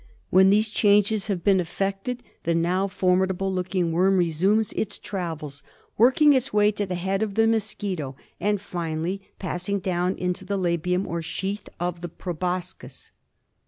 When these changes have been effected ■] the now formidable looking worm resumes its travels, working its way to the head of the mosquito and finally passing down into the labium or sheath of the proboscis.